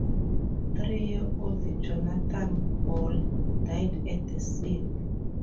Three-year-old Johnathan Ball died at the scene.